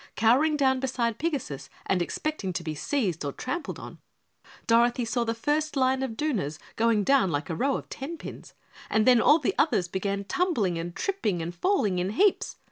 Cowering down beside Pigasus and expecting to be seized or trampled on, Dorothy saw the first line of Dooners going down like a row of tenpins, then all the others began tumbling and tripping and falling in heaps.